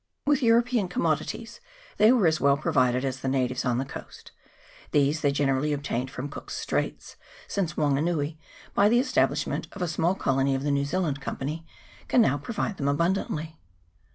With Eu ropean commodities they were as well provided as the natives on the coast ; these they generally ob tain from Cook's Straits, since Wanganui, by the establishment of a small colony of the New Zealand Company, can now provide them abundantly.